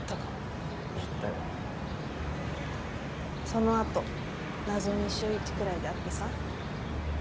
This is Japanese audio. その後謎に週１くらいで会ってさ。